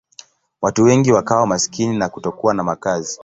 Watu wengi wakawa maskini na kutokuwa na makazi.